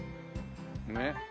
ねっ。